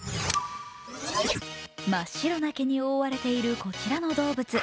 真っ白な毛に覆われているこちらの動物。